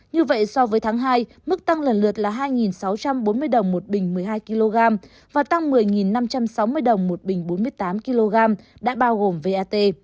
như vậy so với tháng hai mức tăng lần lượt là hai sáu trăm bốn mươi đồng một bình một mươi hai kg và tăng một mươi năm trăm sáu mươi đồng một bình bốn mươi tám kg đã bao gồm vat